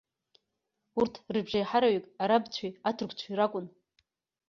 Урҭ рыбжеиҳараҩык арабцәеи аҭырқәцәеи ракәын.